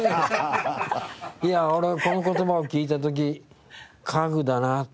いや俺はこの言葉を聞いた時家具だなって思ってテレビ。